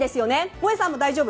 萌さんも大丈夫？